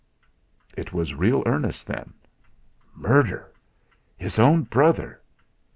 It was real earnest, then. Murder! His own brother!